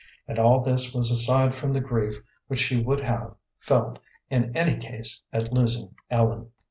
And all this was aside from the grief which she would have felt in any case at losing Ellen.